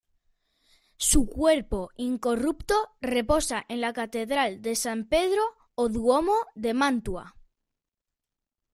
Su cuerpo incorrupto reposa en la Catedral de San Pedro o Duomo de Mantua.